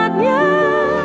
percayalah dengan saya